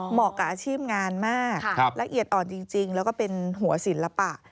เหมาะกับอาชีพงานมากละเอียดอ่อนจริงแล้วก็เป็นหัวศิลปะ